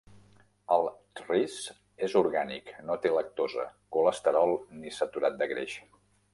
El chreese és orgànic, no té lactosa, colesterol ni saturat de greix.